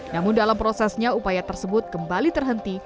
namun dalam prosesnya upaya tersebut kembali terhenti